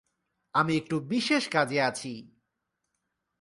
আমি একটু বিশেষ কাজে আছি।